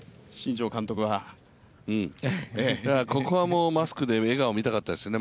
ここはマスクで、笑顔を見たかったですよね。